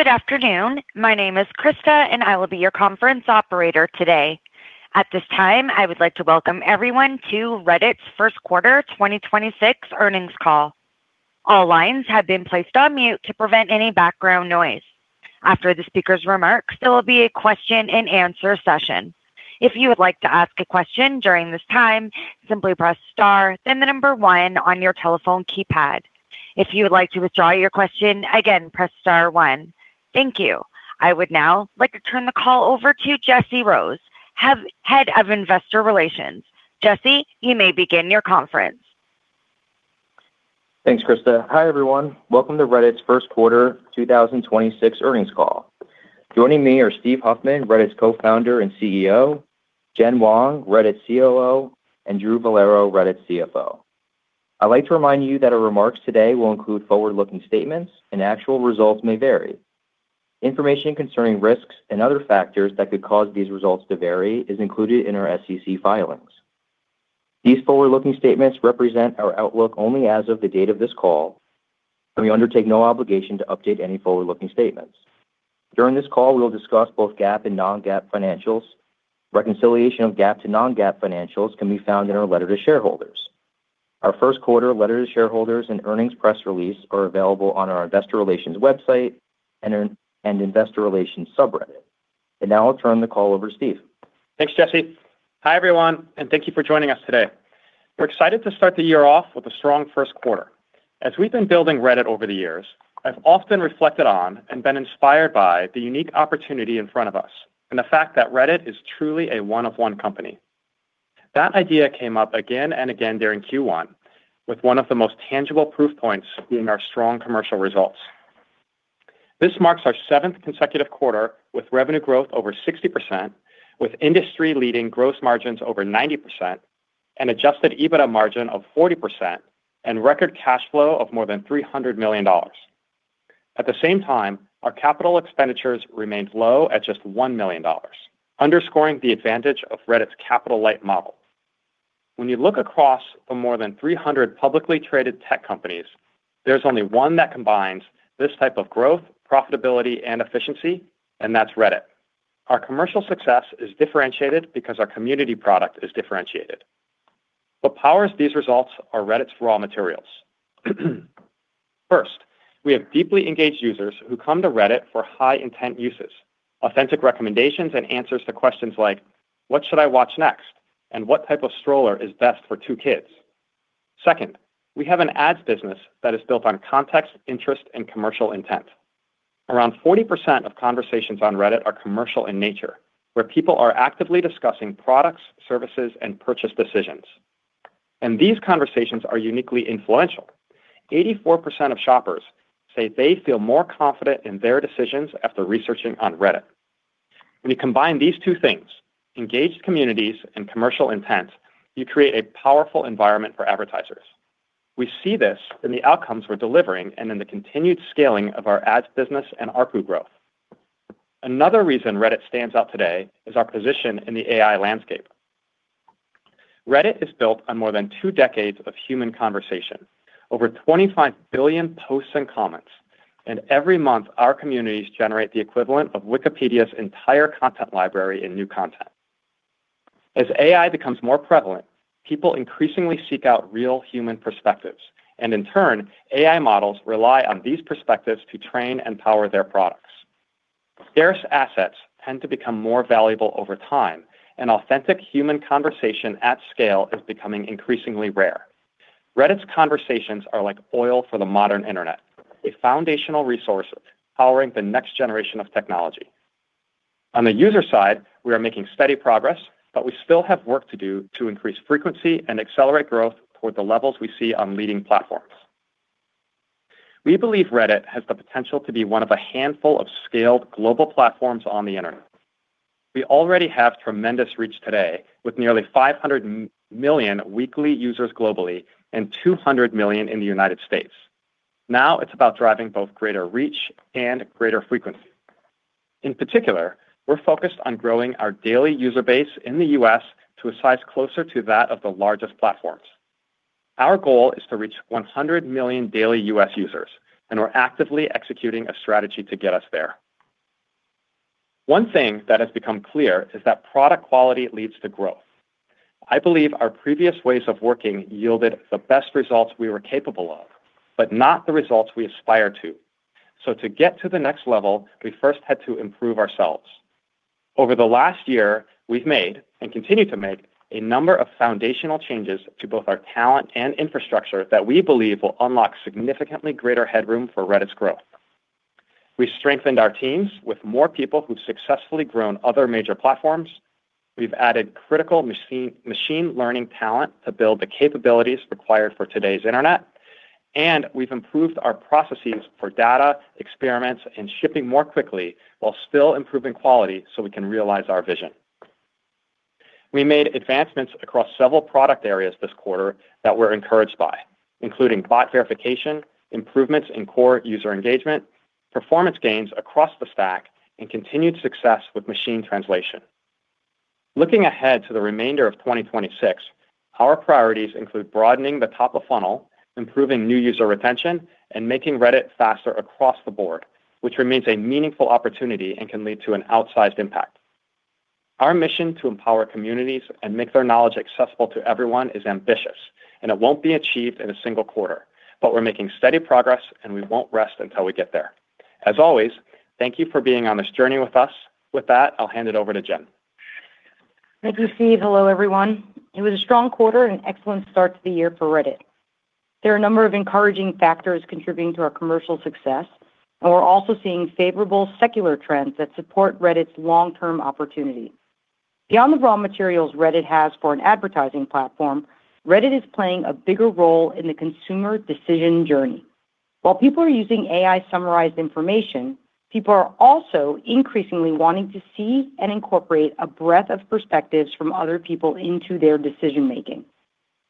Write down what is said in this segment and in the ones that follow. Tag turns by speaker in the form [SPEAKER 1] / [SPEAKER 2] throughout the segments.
[SPEAKER 1] Good afternoon. My name is Krista, and I will be your conference operator today. At this time, I would like to welcome everyone to Reddit's first quarter 2026 earnings call. All lines have been placed on mute to prevent any background noise. After the speaker's remarks, there will be a question and answer session. If you would like to ask a question during this time, simply press star then one on your telephone keypad. If you would like to withdraw your question, again, press star one. Thank you. I would now like to turn the call over to Jesse Rose, Head of Investor Relations. Jesse, you may begin your conference.
[SPEAKER 2] Thanks, Krista. Hi, everyone. Welcome to Reddit's first quarter 2026 earnings call. Joining me are Steve Huffman, Reddit's Co-founder and CEO, Jen Wong, Reddit's COO, and Drew Vollero, Reddit's CFO. I'd like to remind you that our remarks today will include forward-looking statements, and actual results may vary. Information concerning risks and other factors that could cause these results to vary is included in our SEC filings. These forward-looking statements represent our outlook only as of the date of this call, and we undertake no obligation to update any forward-looking statements. During this call, we will discuss both GAAP and non-GAAP financials. Reconciliation of GAAP to non-GAAP financials can be found in our letter to shareholders. Our first quarter letter to shareholders and earnings press release are available on our investor relations website and investor relations subreddit. Now I'll turn the call over to Steve.
[SPEAKER 3] Thanks, Jesse. Hi, everyone. Thank you for joining us today. We're excited to start the year off with a strong first quarter. As we've been building Reddit over the years, I've often reflected on and been inspired by the unique opportunity in front of us and the fact that Reddit is truly a one of one company. That idea came up again and again during Q1, with one of the most tangible proof points being our strong commercial results. This marks our seventh consecutive quarter with revenue growth over 60%, with industry-leading gross margins over 90% and adjusted EBITDA margin of 40% and record cash flow of more than $300 million. At the same time, our capital expenditures remained low at just $1 million, underscoring the advantage of Reddit's capital-light model. When you look across the more than 300 publicly traded tech companies, there's only one that combines this type of growth, profitability, and efficiency, and that's Reddit. Our commercial success is differentiated because our community product is differentiated. What powers these results are Reddit's raw materials. First, we have deeply engaged users who come to Reddit for high intent uses, authentic recommendations, and answers to questions like, "What should I watch next?" "What type of stroller is best for two kids?" Second, we have an ads business that is built on context, interest, and commercial intent. Around 40% of conversations on Reddit are commercial in nature, where people are actively discussing products, services, and purchase decisions, and these conversations are uniquely influential. 84% of shoppers say they feel more confident in their decisions after researching on Reddit. When you combine these two things, engaged communities and commercial intent, you create a powerful environment for advertisers. We see this in the outcomes we're delivering and in the continued scaling of our ads business and ARPU growth. Another reason Reddit stands out today is our position in the AI landscape. Reddit is built on more than two decades of human conversation, over 25 billion posts and comments. Every month, our communities generate the equivalent of Wikipedia's entire content library in new content. As AI becomes more prevalent, people increasingly seek out real human perspectives, and in turn, AI models rely on these perspectives to train and power their products. Scarce assets tend to become more valuable over time, and authentic human conversation at scale is becoming increasingly rare. Reddit's conversations are like oil for the modern internet, a foundational resource powering the next generation of technology. On the user side, we are making steady progress, but we still have work to do to increase frequency and accelerate growth toward the levels we see on leading platforms. We believe Reddit has the potential to be one of a handful of scaled global platforms on the internet. We already have tremendous reach today with nearly 500 million weekly users globally and 200 million in the U.S. Now it's about driving both greater reach and greater frequency. In particular, we're focused on growing our daily user base in the U.S. to a size closer to that of the largest platforms. Our goal is to reach 100 million daily U.S. users, and we're actively executing a strategy to get us there. One thing that has become clear is that product quality leads to growth. I believe our previous ways of working yielded the best results we were capable of, but not the results we aspire to. To get to the next level, we first had to improve ourselves. Over the last year, we've made and continue to make a number of foundational changes to both our talent and infrastructure that we believe will unlock significantly greater headroom for Reddit's growth. We've strengthened our teams with more people who've successfully grown other major platforms, we've added critical machine learning talent to build the capabilities required for today's internet, and we've improved our processes for data, experiments, and shipping more quickly while still improving quality so we can realize our vision. We made advancements across several product areas this quarter that we're encouraged by, including bot verification, improvements in core user engagement, performance gains across the stack, and continued success with machine translation. Looking ahead to the remainder of 2026, our priorities include broadening the top of funnel, improving new user retention, and making Reddit faster across the board, which remains a meaningful opportunity and can lead to an outsized impact. Our mission to empower communities and make their knowledge accessible to everyone is ambitious, and it won't be achieved in a single quarter, but we're making steady progress, and we won't rest until we get there. As always, thank you for being on this journey with us. With that, I'll hand it over to Jen.
[SPEAKER 4] Thank you, Steve. Hello, everyone. It was a strong quarter and an excellent start to the year for Reddit. There are a number of encouraging factors contributing to our commercial success, and we're also seeing favorable secular trends that support Reddit's long-term opportunity. Beyond the raw materials Reddit has for an advertising platform, Reddit is playing a bigger role in the consumer decision journey. While people are using AI-summarized information, people are also increasingly wanting to see and incorporate a breadth of perspectives from other people into their decision-making.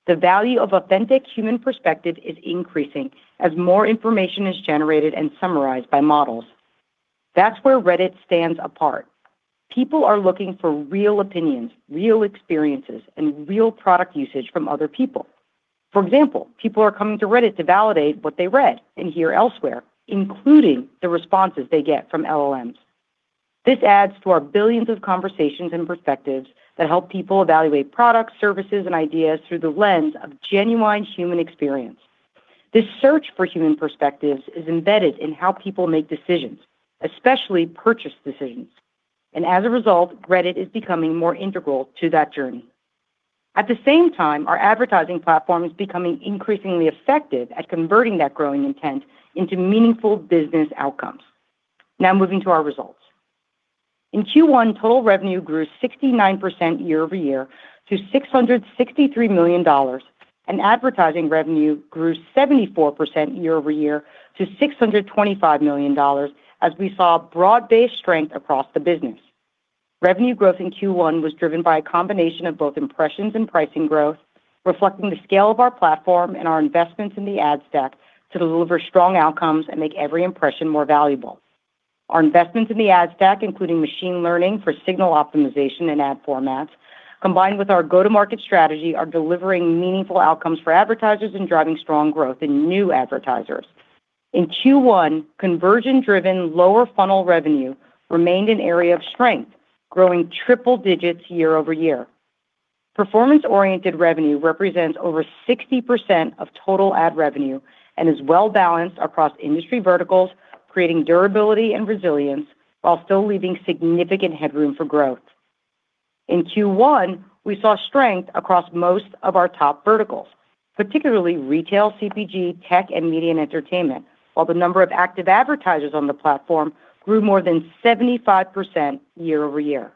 [SPEAKER 4] The value of authentic human perspective is increasing as more information is generated and summarized by models. That's where Reddit stands apart. People are looking for real opinions, real experiences, and real product usage from other people. For example, people are coming to Reddit to validate what they read and hear elsewhere, including the responses they get from LLMs. This adds to our billions of conversations and perspectives that help people evaluate products, services, and ideas through the lens of genuine human experience. This search for human perspectives is embedded in how people make decisions, especially purchase decisions, and as a result, Reddit is becoming more integral to that journey. At the same time, our advertising platform is becoming increasingly effective at converting that growing intent into meaningful business outcomes. Now moving to our results. In Q1, total revenue grew 69% year-over-year to $663 million, and advertising revenue grew 74% year-over-year to $625 million, as we saw broad-based strength across the business. Revenue growth in Q1 was driven by a combination of both impressions and pricing growth, reflecting the scale of our platform and our investments in the ad stack to deliver strong outcomes and make every impression more valuable. Our investments in the ad stack, including machine learning for signal optimization and ad formats, combined with our go-to-market strategy, are delivering meaningful outcomes for advertisers and driving strong growth in new advertisers. In Q1, conversion-driven lower-funnel revenue remained an area of strength, growing triple digits year-over-year. Performance-oriented revenue represents over 60% of total ad revenue and is well-balanced across industry verticals, creating durability and resilience while still leaving significant headroom for growth. In Q1, we saw strength across most of our top verticals, particularly retail, CPG, tech, and media and entertainment, while the number of active advertisers on the platform grew more than 75% year-over-year.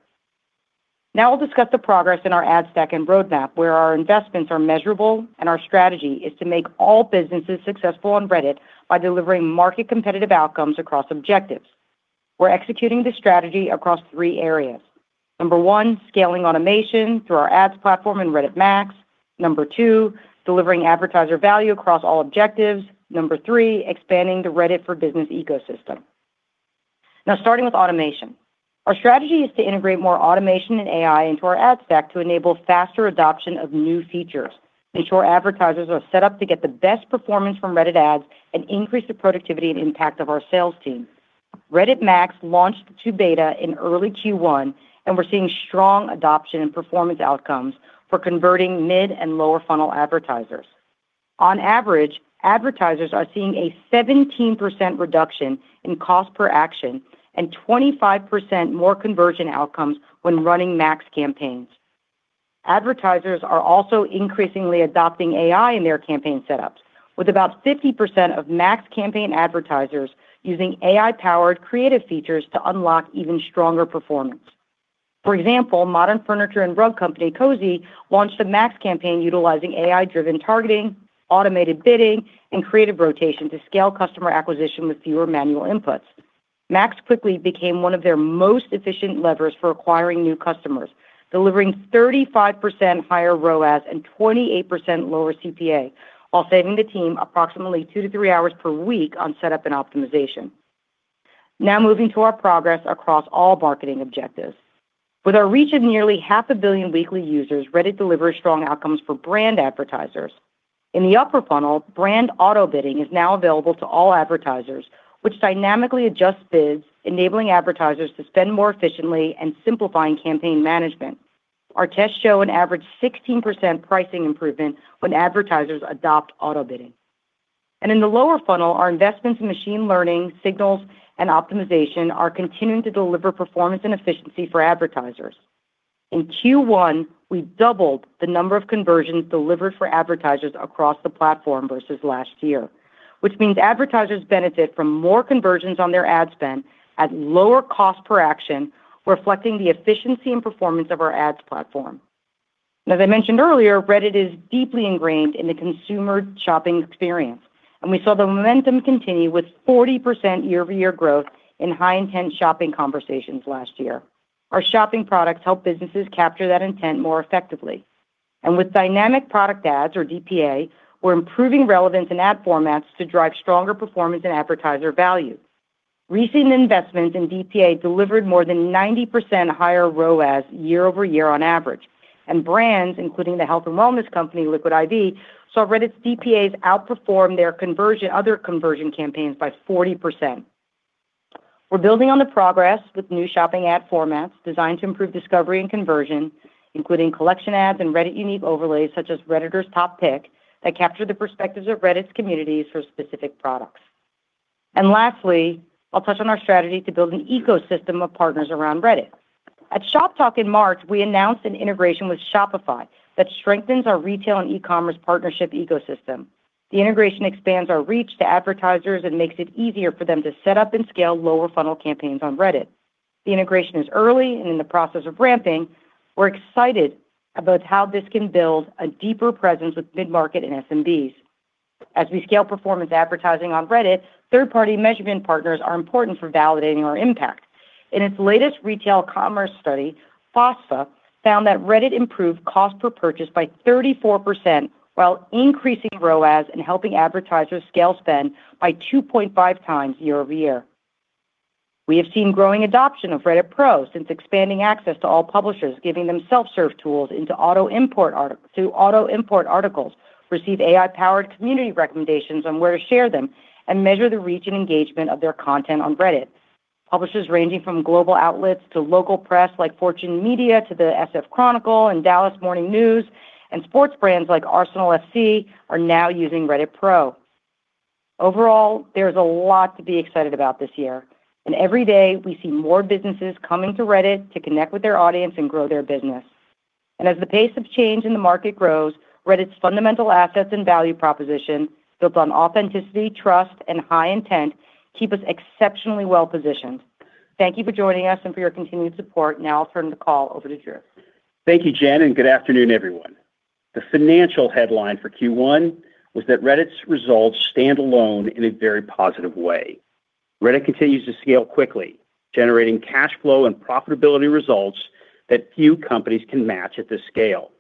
[SPEAKER 4] Now we'll discuss the progress in our ad stack and roadmap, where our investments are measurable and our strategy is to make all businesses successful on Reddit by delivering market-competitive outcomes across objectives. We're executing this strategy across three areas. Number one, scaling automation through our ads platform in Reddit Max. Number two, delivering advertiser value across all objectives. Number three, expanding the Reddit for business ecosystem. Now starting with automation. Our strategy is to integrate more automation and AI into our ad stack to enable faster adoption of new features, ensure advertisers are set up to get the best performance from Reddit ads, and increase the productivity and impact of our sales team. Reddit Max launched to beta in early Q1, and we're seeing strong adoption and performance outcomes for converting mid and lower-funnel advertisers. On average, advertisers are seeing a 17% reduction in cost per action and 25% more conversion outcomes when running Max campaigns. Advertisers are also increasingly adopting AI in their campaign setups, with about 50% of Max campaign advertisers using AI-powered creative features to unlock even stronger performance. For example, modern furniture and rug company Cozy launched a Max campaign utilizing AI-driven targeting, automated bidding, and creative rotation to scale customer acquisition with fewer manual inputs. Max quickly became one of their most efficient levers for acquiring new customers, delivering 35% higher ROAS and 28% lower CPA, while saving the team approximately 2-3 hours per week on setup and optimization. Moving to our progress across all marketing objectives. With our reach of nearly half a billion weekly users, Reddit delivers strong outcomes for brand advertisers. In the upper funnel, brand auto-bidding is now available to all advertisers, which dynamically adjusts bids, enabling advertisers to spend more efficiently and simplifying campaign management. Our tests show an average 16% pricing improvement when advertisers adopt auto-bidding. In the lower funnel, our investments in machine learning, signals, and optimization are continuing to deliver performance and efficiency for advertisers. In Q1, we doubled the number of conversions delivered for advertisers across the platform versus last year, which means advertisers benefit from more conversions on their ad spend at lower cost per action, reflecting the efficiency and performance of our ads platform. As I mentioned earlier, Reddit is deeply ingrained in the consumer shopping experience, and we saw the momentum continue with 40% year-over-year growth in high-intent shopping conversations last year. Our shopping products help businesses capture that intent more effectively. With Dynamic Product Ads, or DPA, we're improving relevance in ad formats to drive stronger performance and advertiser value. Recent investments in DPA delivered more than 90% higher ROAS year-over-year on average. Brands, including the health and wellness company Liquid I.V., saw Reddit's DPAs outperform their conversion, other conversion campaigns by 40%. We're building on the progress with new shopping ad formats designed to improve discovery and conversion, including collection ads and Reddit unique overlays such as Redditors' Top Pick that capture the perspectives of Reddit's communities for specific products. Lastly, I'll touch on our strategy to build an ecosystem of partners around Reddit. At Shoptalk in March, we announced an integration with Shopify that strengthens our retail and e-commerce partnership ecosystem. The integration expands our reach to advertisers and makes it easier for them to set up and scale lower funnel campaigns on Reddit. The integration is early and in the process of ramping. We're excited about how this can build a deeper presence with mid-market and SMBs. As we scale performance advertising on Reddit, third-party measurement partners are important for validating our impact. In its latest retail commerce study, Fospha found that Reddit improved cost per purchase by 34% while increasing ROAS and helping advertisers scale spend by 2.5 times year-over-year. We have seen growing adoption of Reddit Pro since expanding access to all publishers, giving them self-serve tools to auto import articles, receive AI-powered community recommendations on where to share them, and measure the reach and engagement of their content on Reddit. Publishers ranging from global outlets to local press like Fortune Media to the San Francisco Chronicle and The Dallas Morning News and sports brands like Arsenal FC are now using Reddit Pro. Overall, there's a lot to be excited about this year, and every day we see more businesses coming to Reddit to connect with their audience and grow their business. As the pace of change in the market grows, Reddit's fundamental assets and value proposition built on authenticity, trust, and high intent keep us exceptionally well-positioned. Thank you for joining us and for your continued support. Now I'll turn the call over to Drew.
[SPEAKER 5] Thank you, Jen. Good afternoon, everyone. The financial headline for Q1 was that Reddit's results stand alone in a very positive way. Reddit continues to scale quickly, generating cash flow and profitability results that few companies can match at this scale.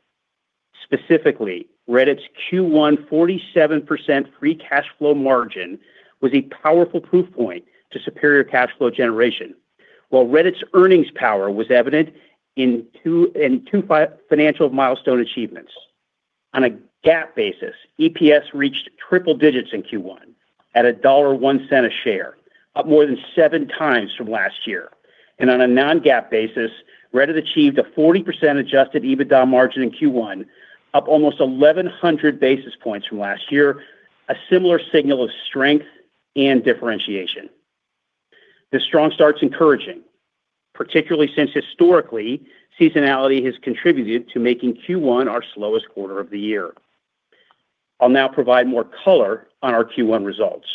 [SPEAKER 5] Specifically, Reddit's Q1 47% free cash flow margin was a powerful proof point to superior cash flow generation, while Reddit's earnings power was evident in two financial milestone achievements. On a GAAP basis, EPS reached triple digits in Q1 at $1.01 a share, up more than seven times from last year. On a non-GAAP basis, Reddit achieved a 40% adjusted EBITDA margin in Q1, up almost 1,100 basis points from last year, a similar signal of strength and differentiation. This strong start's encouraging, particularly since historically, seasonality has contributed to making Q1 our slowest quarter of the year. I'll now provide more color on our Q1 results.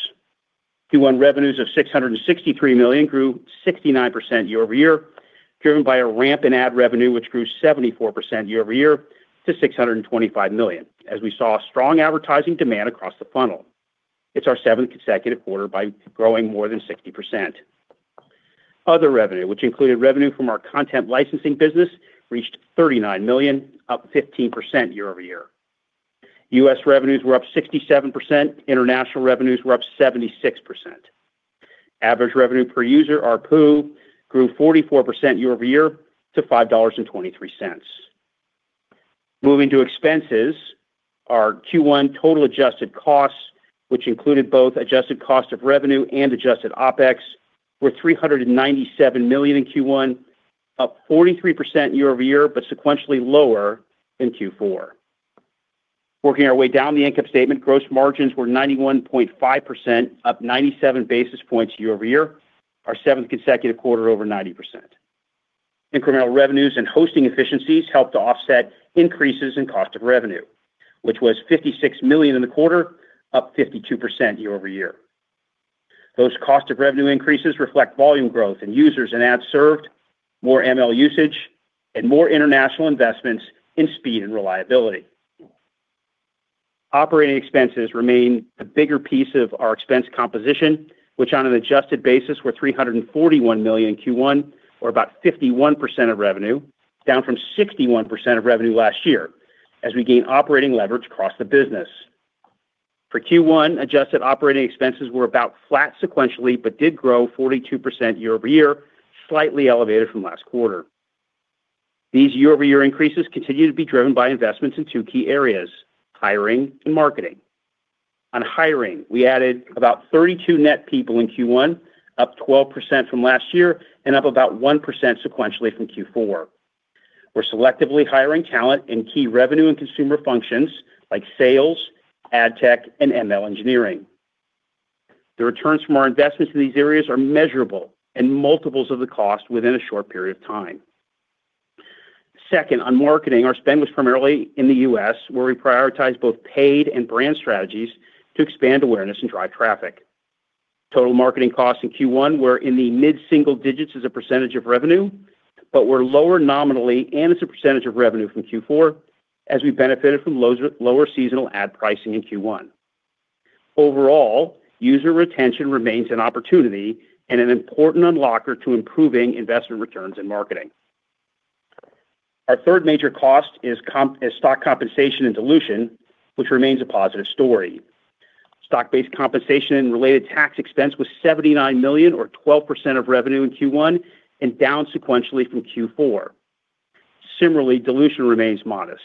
[SPEAKER 5] Q1 revenues of $663 million grew 69% year-over-year, driven by a ramp in ad revenue, which grew 74% year-over-year to $625 million, as we saw strong advertising demand across the funnel. It's our seventh consecutive quarter by growing more than 60%. Other revenue, which included revenue from our content licensing business, reached $39 million, up 15% year-over-year. U.S. revenues were up 67%. International revenues were up 76%. Average revenue per user, ARPU, grew 44% year-over-year to $5.23. Moving to expenses, our Q1 total adjusted costs, which included both adjusted cost of revenue and adjusted OpEx, were $397 million in Q1, up 43% year-over-year, but sequentially lower than Q4. Working our way down the income statement, gross margins were 91.5%, up 97 basis points year-over-year, our seventh consecutive quarter over 90%. Incremental revenues and hosting efficiencies helped to offset increases in cost of revenue, which was $56 million in the quarter, up 52% year-over-year. Those cost of revenue increases reflect volume growth in users and ads served, more ML usage, and more international investments in speed and reliability. Operating expenses remain the bigger piece of our expense composition, which on an adjusted basis were $341 million in Q1, or about 51% of revenue, down from 61% of revenue last year, as we gain operating leverage across the business. For Q1, adjusted operating expenses were about flat sequentially, but did grow 42% year-over-year, slightly elevated from last quarter. These year-over-year increases continue to be driven by investments in two key areas, hiring and marketing. On hiring, we added about 32 net people in Q1, up 12% from last year and up about 1% sequentially from Q4. We're selectively hiring talent in key revenue and consumer functions like sales, ad tech, and ML engineering. The returns from our investments in these areas are measurable and multiples of the cost within a short period of time. Second, on marketing, our spend was primarily in the U.S., where we prioritize both paid and brand strategies to expand awareness and drive traffic. Total marketing costs in Q1 were in the mid-single digits as a percentage of revenue, but were lower nominally and as a percentage of revenue from Q4, as we benefited from lower seasonal ad pricing in Q1. Overall, user retention remains an opportunity and an important unlocker to improving investment returns in marketing. Our third major cost is stock compensation and dilution, which remains a positive story. Stock-based compensation and related tax expense was $79 million or 12% of revenue in Q1 and down sequentially from Q4. Similarly, dilution remains modest.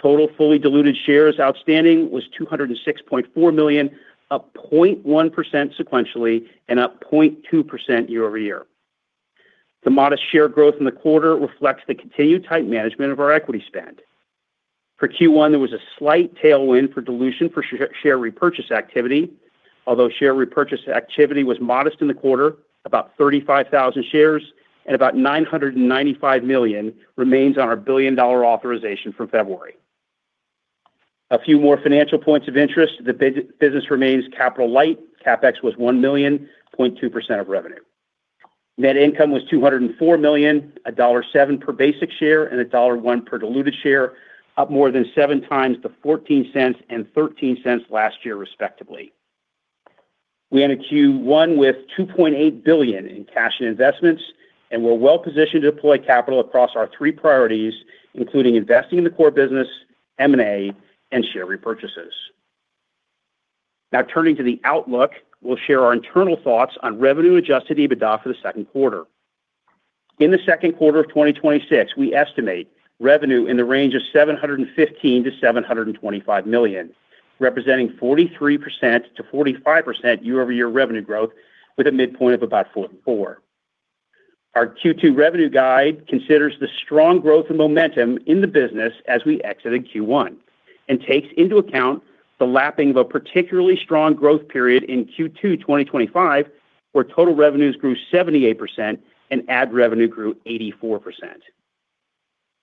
[SPEAKER 5] Total fully diluted shares outstanding was 206.4 million, up 0.1% sequentially and up 0.2% year-over-year. The modest share growth in the quarter reflects the continued tight management of our equity spend. For Q1, there was a slight tailwind for dilution for share repurchase activity, although share repurchase activity was modest in the quarter, about 35,000 shares, and about $995 million remains on our $1 billion authorization from February. A few more financial points of interest. The business remains capital light. CapEx was $1 million, 0.2% of revenue. Net income was $204 million, $1.07 per basic share, and $1.01 per diluted share, up more than seven times to $0.14 and $0.13 last year, respectively. We end Q1 with $2.8 billion in cash and investments. We're well-positioned to deploy capital across our three priorities, including investing in the core business, M&A, and share repurchases. Turning to the outlook, we'll share our internal thoughts on revenue adjusted EBITDA for the second quarter. In the second quarter of 2026, we estimate revenue in the range of $715 million-$725 million, representing 43%-45% year-over-year revenue growth with a midpoint of about 4.4. Our Q2 revenue guide considers the strong growth and momentum in the business as we exited Q1 and takes into account the lapping of a particularly strong growth period in Q2 2025, where total revenues grew 78% and ad revenue grew 84%.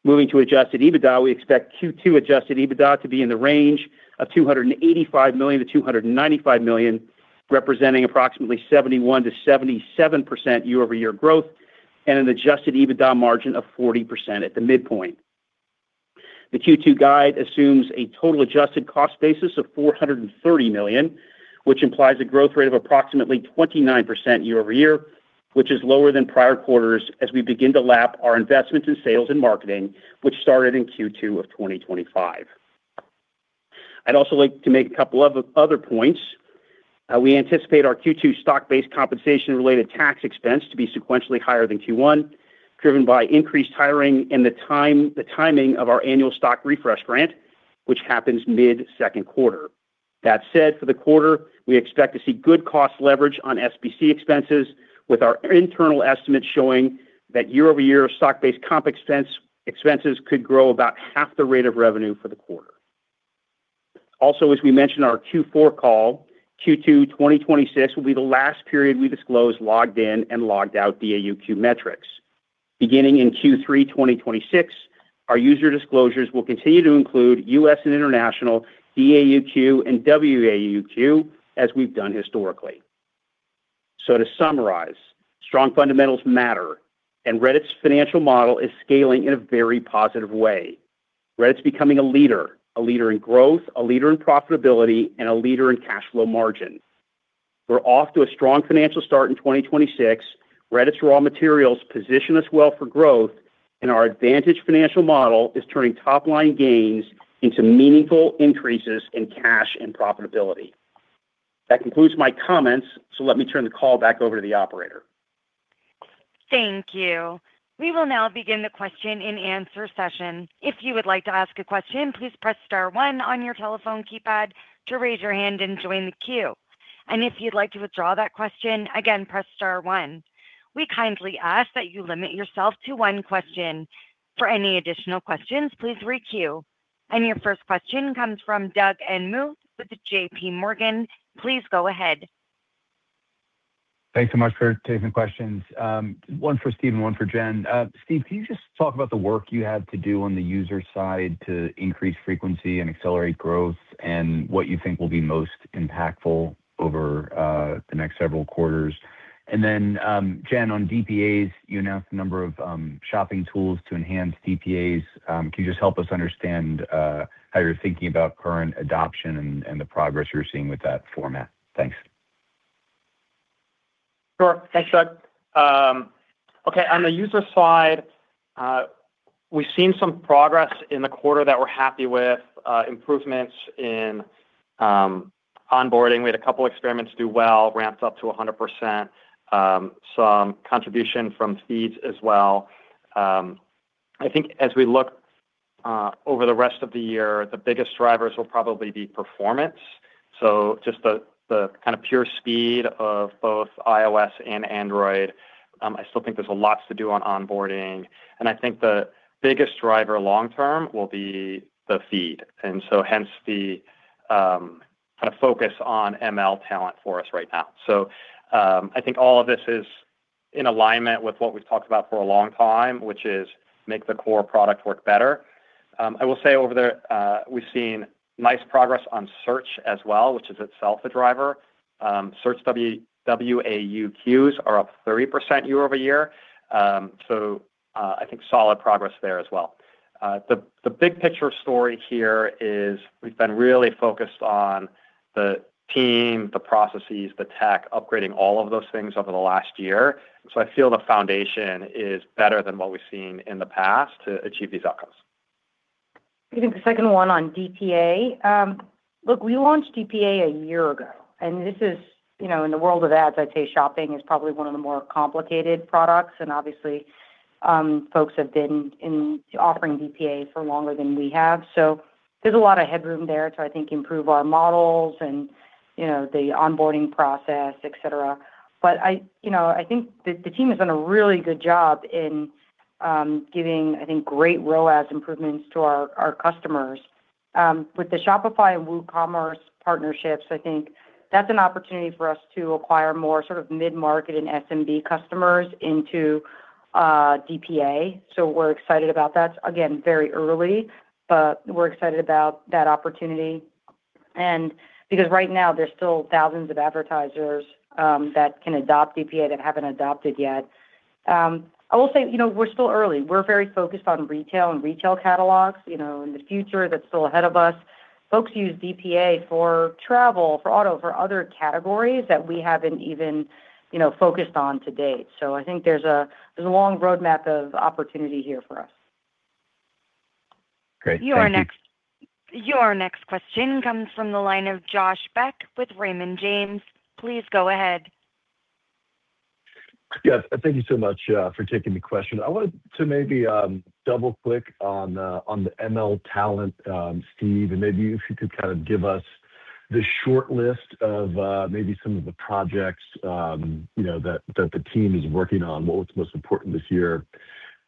[SPEAKER 5] Moving to adjusted EBITDA, we expect Q2 adjusted EBITDA to be in the range of $285 million-$295 million, representing approximately 71%-77% year-over-year growth and an adjusted EBITDA margin of 40% at the midpoint. The Q2 guide assumes a total adjusted cost basis of $430 million, which implies a growth rate of approximately 29% year-over-year, which is lower than prior quarters as we begin to lap our investments in sales and marketing, which started in Q2 of 2025. I'd also like to make a couple of other points. We anticipate our Q2 stock-based compensation-related tax expense to be sequentially higher than Q1, driven by increased hiring and the timing of our annual stock refresh grant, which happens mid-second quarter. That said, for the quarter, we expect to see good cost leverage on SBC expenses, with our internal estimates showing that year-over-year, stock-based comp expense could grow about half the rate of revenue for the quarter. Also, as we mentioned in our Q4 call, Q2 2026 will be the last period we disclose logged in and logged out DAUQ metrics. Beginning in Q3 2026, our user disclosures will continue to include U.S. and international DAUQ and WAUQ as we've done historically. To summarize, strong fundamentals matter, and Reddit's financial model is scaling in a very positive way. Reddit's becoming a leader in growth, a leader in profitability, and a leader in cash flow margin. We're off to a strong financial start in 2026. Reddit's raw materials position us well for growth. Our advantage financial model is turning top-line gains into meaningful increases in cash and profitability. That concludes my comments. Let me turn the call back over to the operator.
[SPEAKER 1] Thank you. We will now begin the question-and-answer session. If you would like to ask a question, please press star one on your telephone keypad to raise your hand and join the queue. If you'd like to withdraw that question, again, press star one. We kindly ask that you limit yourself to one question. For any additional questions, please re-queue. Your first question comes from Doug Anmuth with J.P. Morgan. Please go ahead.
[SPEAKER 6] Thanks so much for taking questions. One for Steve and one for Jen. Steve, can you just talk about the work you have to do on the user side to increase frequency and accelerate growth and what you think will be most impactful over the next several quarters? Jen, on DPAs, you announced a number of shopping tools to enhance DPAs. Can you just help us understand how you're thinking about current adoption and the progress you're seeing with that format? Thanks.
[SPEAKER 3] Sure. Thanks, Doug. Okay, on the user side, we've seen some progress in the quarter that we're happy with, improvements in onboarding. We had a couple experiments do well, ramped up to 100%, some contribution from feeds as well. I think as we look over the rest of the year, the biggest drivers will probably be performance. Just the kind of pure speed of both iOS and Android. I still think there's lots to do on onboarding, and I think the biggest driver long term will be the feed, and hence the kind of focus on ML talent for us right now. I think all of this is in alignment with what we've talked about for a long time, which is make the core product work better. I will say over there, we've seen nice progress on search as well, which is itself a driver. search WAUQs are up 30% year-over-year, so I think solid progress there as well. The big picture story here is we've been really focused on the team, the processes, the tech, upgrading all of those things over the last year. I feel the foundation is better than what we've seen in the past to achieve these outcomes.
[SPEAKER 4] I think the second one on DPA, look, we launched DPA a year ago, and this is, you know, in the world of ads, I'd say shopping is probably one of the more complicated products, and obviously, folks have been in offering DPA for longer than we have. There's a lot of headroom there to, I think, improve our models and, you know, the onboarding process, et cetera. I, you know, I think the team has done a really good job in giving, I think, great ROAS improvements to our customers. With the Shopify and WooCommerce partnerships, I think that's an opportunity for us to acquire more sort of mid-market and SMB customers into DPA. We're excited about that. Again, very early, but we're excited about that opportunity. Because right now there's still thousands of advertisers that can adopt DPA that haven't adopted yet. I will say, you know, we're still early. We're very focused on retail and retail catalogs. You know, in the future, that's still ahead of us. Folks use DPA for travel, for auto, for other categories that we haven't even, you know, focused on to date. I think there's a long roadmap of opportunity here for us.
[SPEAKER 6] Great. Thank you.
[SPEAKER 1] Your next question comes from the line of Josh Beck with Raymond James. Please go ahead.
[SPEAKER 7] Yes. Thank you so much for taking the question. I wanted to maybe double-click on the ML talent, Steve, and maybe if you could kind of give us the short list of maybe some of the projects, you know, that the team is working on, what was most important this year.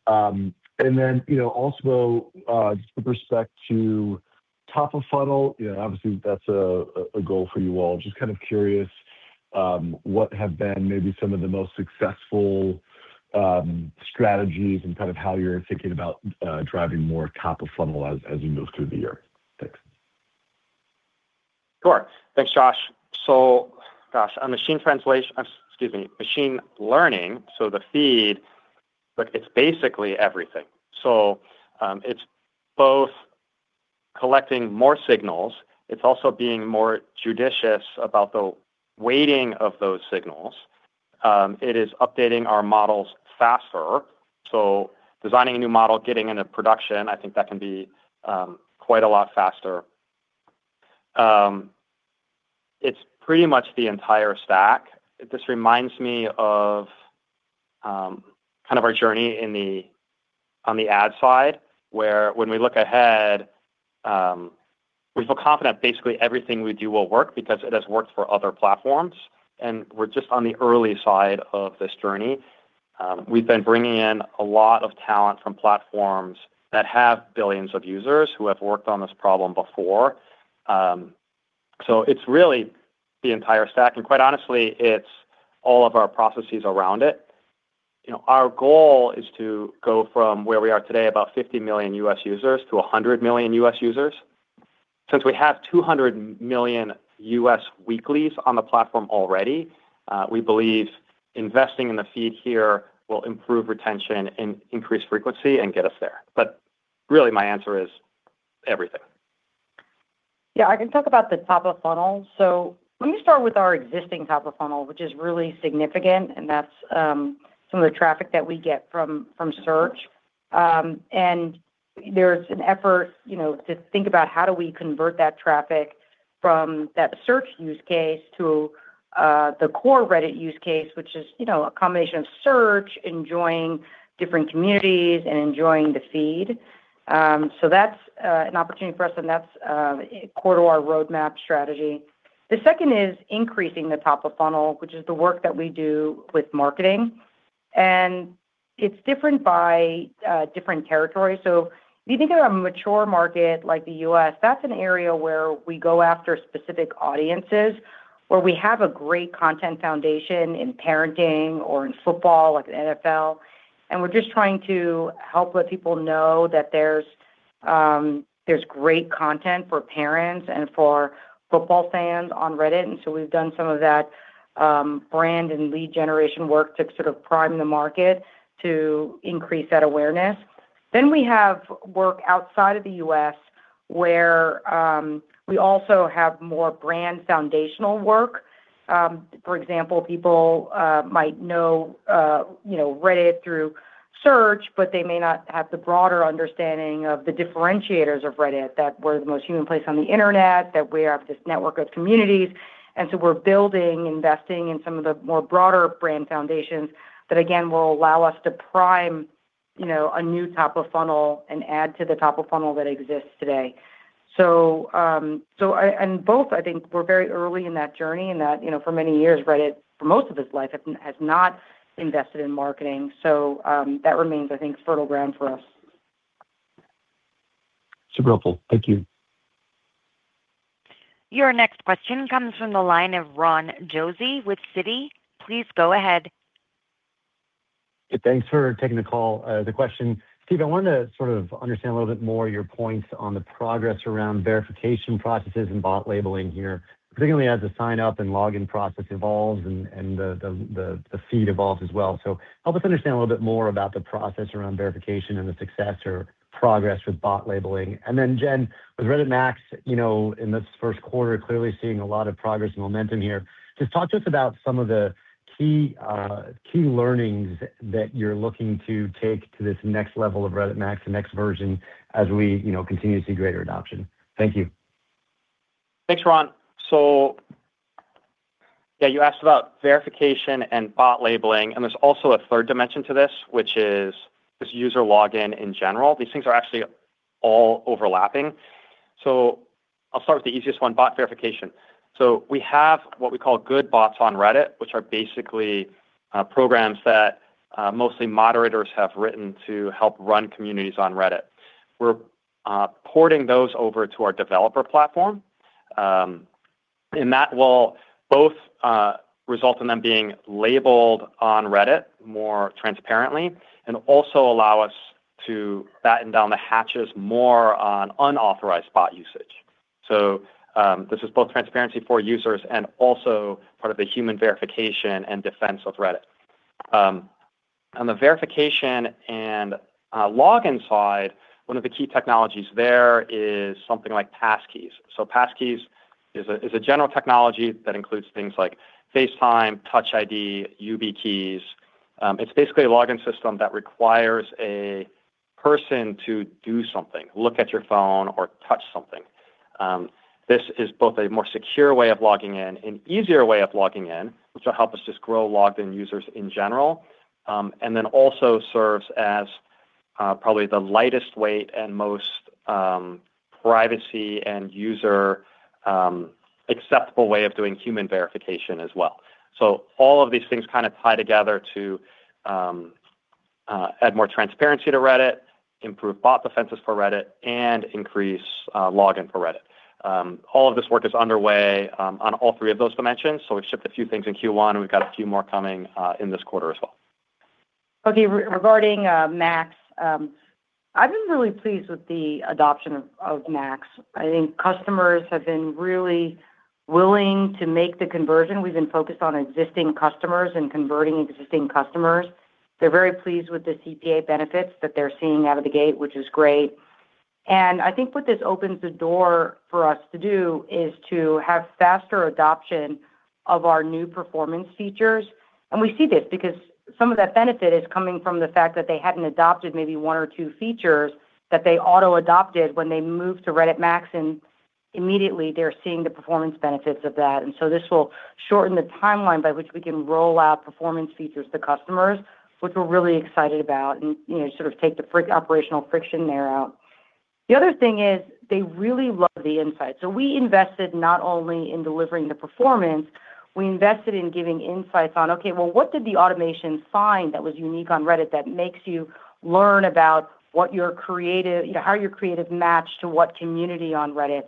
[SPEAKER 7] Then, you know, also, just with respect to top-of-funnel, you know, obviously that's a goal for you all. Just kind of curious, what have been maybe some of the most successful strategies and kind of how you're thinking about driving more top-of-funnel as you move through the year? Thanks.
[SPEAKER 3] Sure. Thanks, Josh. Gosh, on machine learning, the feed, it's basically everything. It's both collecting more signals. It's also being more judicious about the weighting of those signals. It is updating our models faster. Designing a new model, getting into production, I think that can be quite a lot faster. It's pretty much the entire stack. This reminds me of kind of our journey on the ad side, where when we look ahead, we feel confident basically everything we do will work because it has worked for other platforms, and we're just on the early side of this journey. We've been bringing in a lot of talent from platforms that have billions of users who have worked on this problem before. It's really the entire stack, and quite honestly, it's all of our processes around it. You know, our goal is to go from where we are today, about 50 million U.S. users, to 100 million U.S. users. Since we have 200 million U.S. weeklies on the platform already, we believe investing in the feed here will improve retention and increase frequency and get us there. Really my answer is everything.
[SPEAKER 4] I can talk about the top of funnel. Let me start with our existing top of funnel, which is really significant, and that's some of the traffic that we get from search. There's an effort, you know, to think about how do we convert that traffic from that search use case to the core Reddit use case, which is, you know, a combination of search, enjoying different communities, and enjoying the feed. That's an opportunity for us, and that's core to our roadmap strategy. The second is increasing the top of funnel, which is the work that we do with marketing, and it's different by different territories. If you think of a mature market like the U.S., that's an area where we go after specific audiences where we have a great content foundation in parenting or in football, like the NFL. We're just trying to help let people know that there's great content for parents and for football fans on Reddit. We've done some of that brand and lead generation work to sort of prime the market to increase that awareness. We have work outside of the U.S. where we also have more brand foundational work. For example, people might know, you know, Reddit through search, but they may not have the broader understanding of the differentiators of Reddit, that we're the most human place on the Internet, that we are this network of communities. We're building, investing in some of the more broader brand foundations that, again, will allow us to prime, you know, a new top of funnel and add to the top of funnel that exists today. Both, I think, we're very early in that journey in that, you know, for many years, Reddit, for most of its life, has not invested in marketing. That remains, I think, fertile ground for us.
[SPEAKER 7] Super helpful. Thank you.
[SPEAKER 1] Your next question comes from the line of Ron Josey with Citi. Please go ahead.
[SPEAKER 8] Thanks for taking the call. The question, Steve, I wanted to sort of understand a little bit more your points on the progress around verification processes and bot labeling here, particularly as the sign-up and login process evolves and the feed evolves as well. Help us understand a little bit more about the process around verification and the success or progress with bot labeling. Jen, with Reddit Max, you know, in this first quarter, clearly seeing a lot of progress and momentum here. Just talk to us about some of the key learnings that you're looking to take to this next level of Reddit Max, the next version, as we, you know, continue to see greater adoption. Thank you.
[SPEAKER 3] Thanks, Ron. Yeah, you asked about verification and bot labeling, and there's also a third dimension to this, which is just user login in general. These things are actually all overlapping. I'll start with the easiest one, bot verification. We have what we call good bots on Reddit, which are basically programs that mostly moderators have written to help run communities on Reddit. We're porting those over to our developer platform, and that will both result in them being labeled on Reddit more transparently and also allow us to batten down the hatches more on unauthorized bot usage. This is both transparency for users and also part of the human verification and defense of Reddit. On the verification and login side, one of the key technologies there is something like passkeys. Passkeys is a general technology that includes things like Face time, Touch ID, YubiKey. It's basically a login system that requires a person to do something, look at your phone or touch something. This is both a more secure way of logging in, an easier way of logging in, which will help us just grow logged in users in general. And then also serves as probably the lightest weight and most privacy and user acceptable way of doing human verification as well. All of these things kind of tie together to add more transparency to Reddit, improve bot defenses for Reddit, and increase login for Reddit. All of this work is underway on all three of those dimensions. We've shipped a few things in Q1, and we've got a few more coming in this quarter as well.
[SPEAKER 4] Okay. Regarding Max, I've been really pleased with the adoption of Max. I think customers have been really willing to make the conversion. We've been focused on existing customers and converting existing customers. They're very pleased with the CPA benefits that they're seeing out of the gate, which is great. I think what this opens the door for us to do is to have faster adoption of our new performance features. We see this because some of that benefit is coming from the fact that they hadn't adopted maybe one or two features that they auto-adopted when they moved to Reddit Max, and immediately they're seeing the performance benefits of that. This will shorten the timeline by which we can roll out performance features to customers, which we're really excited about, and, you know, sort of take the operational friction there out. The other thing is they really love the insights. We invested not only in delivering the performance, we invested in giving insights on, okay, well, what did the automation find that was unique on Reddit that makes you learn about what your creative, you know, how your creative matched to what community on Reddit?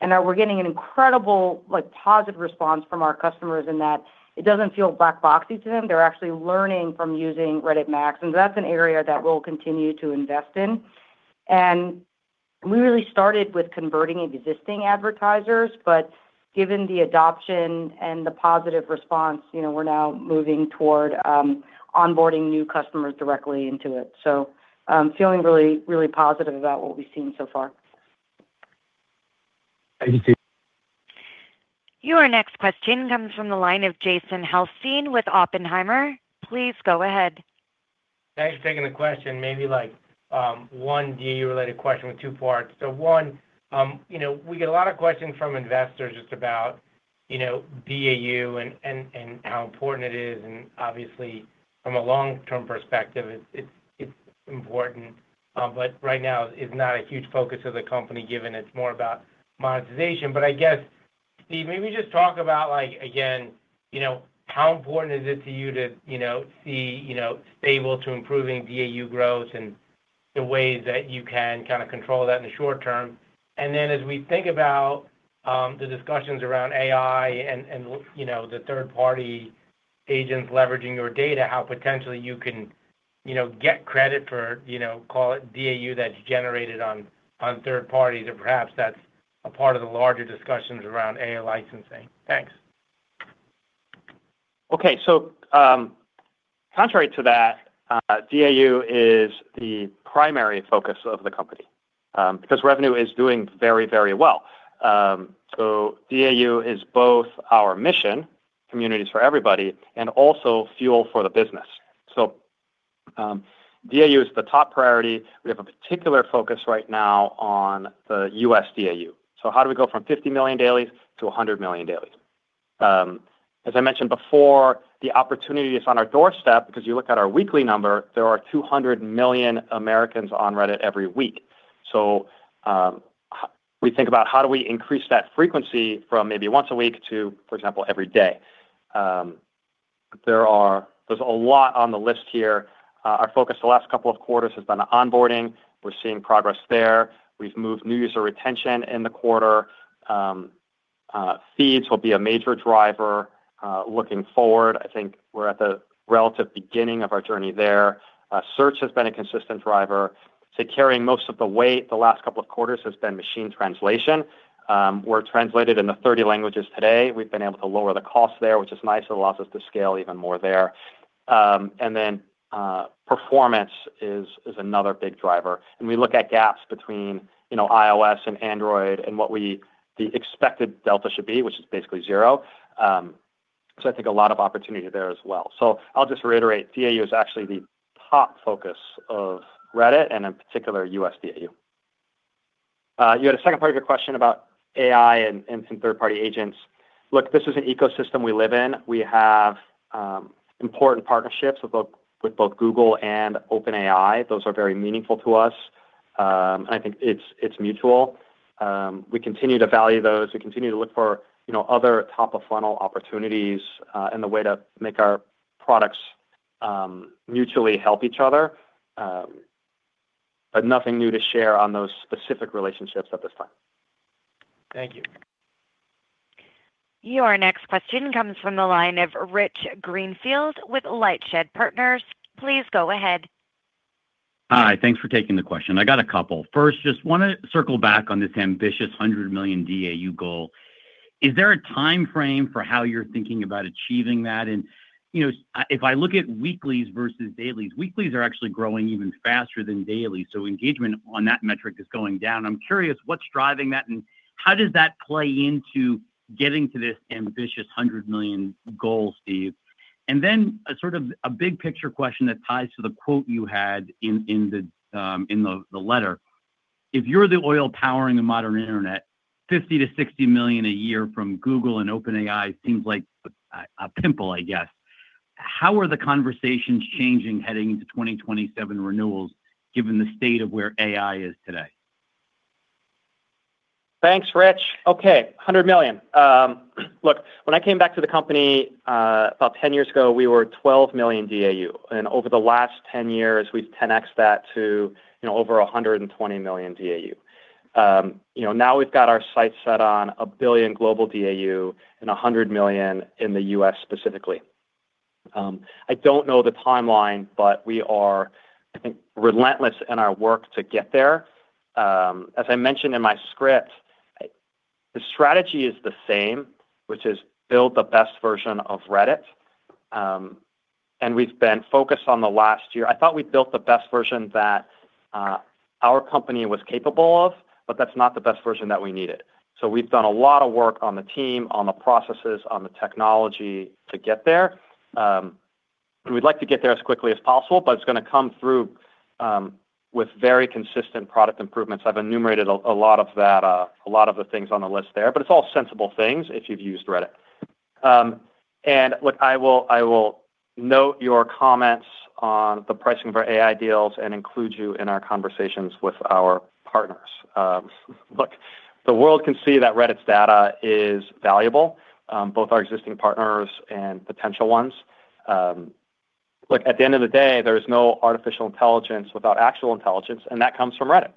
[SPEAKER 4] We're getting an incredible, like, positive response from our customers in that it doesn't feel black boxy to them. They're actually learning from using Reddit Max, and that's an area that we'll continue to invest in. We really started with converting existing advertisers, but given the adoption and the positive response, you know, we're now moving toward onboarding new customers directly into it. I'm feeling really, really positive about what we've seen so far.
[SPEAKER 8] Thank you.
[SPEAKER 1] Your next question comes from the line of Jason Helfstein with Oppenheimer. Please go ahead.
[SPEAKER 9] Thanks for taking the question. Maybe like, one DAU-related question with two parts. One, you know, we get a lot of questions from investors just about, you know, DAU and how important it is. Obviously from a long-term perspective, it's important. Right now it's not a huge focus of the company given it's more about monetization. I guess, Steve, maybe just talk about like, again, you know, how important is it to you to, you know, see, you know, stable to improving DAU growth and the ways that you can kind of control that in the short term. As we think about the discussions around AI and, you know, the third party agents leveraging your data, how potentially you can, you know, get credit for, you know, call it DAU that's generated on third parties or perhaps that's a part of the larger discussions around AI licensing. Thanks.
[SPEAKER 3] Contrary to that, DAU is the primary focus of the company because revenue is doing very, very well. DAU is both our mission, communities for everybody, and also fuel for the business. DAU is the top priority. We have a particular focus right now on the U.S. DAU. How do we go from 50 million dailies to 100 million dailies? As I mentioned before, the opportunity is on our doorstep because you look at our weekly number, there are 200 million Americans on Reddit every week. We think about how do we increase that frequency from maybe once a week to, for example, every day. There's a lot on the list here. Our focus the last couple of quarters has been on onboarding. We're seeing progress there. We've moved new user retention in the quarter. Feeds will be a major driver looking forward. I think we're at the relative beginning of our journey there. Search has been a consistent driver. Carrying most of the weight the last couple of quarters has been machine translation. We're translated into 30 languages today. We've been able to lower the cost there, which is nice. It allows us to scale even more there. And then performance is another big driver. We look at gaps between, you know, iOS and Android and the expected delta should be, which is basically 0. I think a lot of opportunity there as well. I'll just reiterate, DAU is actually the top focus of Reddit, and in particular, U.S. DAU. You had a second part of your question about AI and some third-party agents. Look, this is an ecosystem we live in. We have important partnerships with both Google and OpenAI. Those are very meaningful to us. I think it's mutual. We continue to value those. We continue to look for, you know, other top-of-funnel opportunities, and the way to make our products mutually help each other. Nothing new to share on those specific relationships at this time.
[SPEAKER 9] Thank you.
[SPEAKER 1] Your next question comes from the line of Rich Greenfield with LightShed Partners. Please go ahead.
[SPEAKER 10] Hi. Thanks for taking the question. I got a couple. First, just want to circle back on this ambitious 100 million DAU goal. Is there a timeframe for how you're thinking about achieving that? You know, if I look at weeklies versus dailies, weeklies are actually growing even faster than dailies, so engagement on that metric is going down. I'm curious what's driving that, and how does that play into getting to this ambitious 100 million goal, Steve? Then a sort of a big-picture question that ties to the quote you had in the, in the letter. If you're the oil powering the modern internet, $50 million-$60 million a year from Google and OpenAI seems like a pimple, I guess. How are the conversations changing heading into 2027 renewals given the state of where AI is today?
[SPEAKER 3] Thanks, Rich. Okay. $100 million. Look, when I came back to the company, about 10 years ago, we were at 12 million DAU. Over the last 10 years, we've 10x'd that to, you know, over 120 million DAU. You know, now we've got our sights set on one billion global DAU and $100 million in the U.S. specifically. I don't know the timeline, we are, I think, relentless in our work to get there. As I mentioned in my script, the strategy is the same, which is build the best version of Reddit. We've been focused on the last year. I thought we'd built the best version that our company was capable of, but that's not the best version that we needed. We've done a lot of work on the team, on the processes, on the technology to get there. We'd like to get there as quickly as possible, but it's gonna come through with very consistent product improvements. I've enumerated a lot of that, a lot of the things on the list there, but it's all sensible things if you've used Reddit. Look, I will note your comments on the pricing of our AI deals and include you in our conversations with our partners. Look, the world can see that Reddit's data is valuable, both our existing partners and potential ones. Look, at the end of the day, there's no artificial intelligence without actual intelligence, and that comes from Reddit.